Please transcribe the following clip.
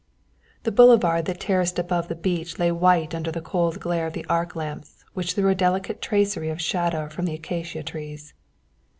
The boulevard that terraced above the beach lay white under the cold glare of the arc lamps which threw a delicate tracery of shadow from the acacia trees.